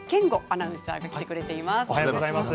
アナウンサーが来てくれています。